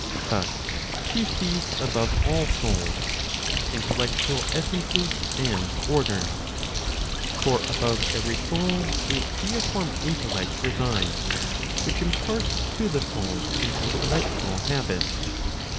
But she sees above all souls, intellectual essences and orders. For above every soul a deiform intellect resides, which imparts to the soul an intellectual habit.